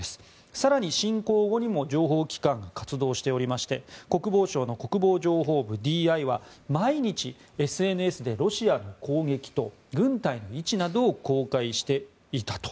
更に侵攻後にも情報機関が活動していまして国防省の国防情報部・ＤＩは毎日ＳＮＳでロシアの攻撃と軍隊の位置などを公開していたと。